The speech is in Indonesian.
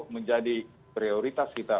menjadi prioritas kita